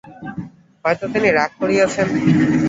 হয়তো তিনি রাগ করিয়াছেন।